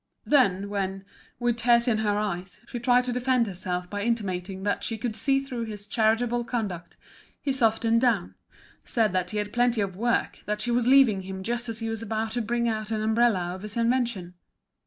Then when, with tears in her eyes, she tried to defend herself by intimating that she could see through his charitable conduct, he softened down, said that he had plenty of work, that she was leaving him just as he was about to bring out an umbrella of his invention.